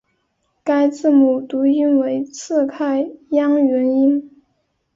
该字母读音为次开央元音。